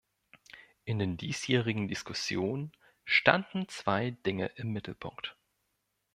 In den diesjährigen Diskussionen standen zwei Dinge im Mittelpunkt.